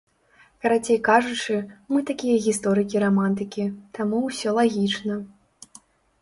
Карацей кажучы, мы такія гісторыкі-рамантыкі, таму ўсё лагічна.